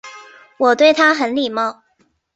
我对他很礼貌